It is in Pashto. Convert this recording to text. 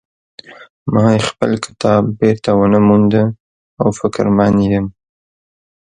ما خپل کتاب بیرته ونه مونده او فکرمن یم